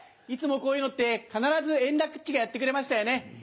いつもこういうのって、必ず円楽っちがやってくれましたよね。